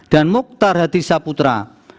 dan muktar hatisa putra